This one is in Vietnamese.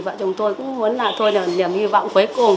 vợ chồng tôi cũng muốn là tôi được niềm hy vọng cuối cùng